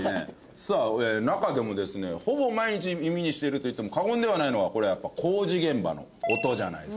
さあ中でもですねほぼ毎日耳にしているといっても過言ではないのはこれはやっぱ工事現場の音じゃないですかね。